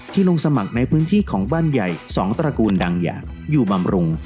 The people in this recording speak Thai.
ลงสมัครในพื้นที่ของบ้านใหญ่๒ตระกูลดังอย่างอยู่บำรุง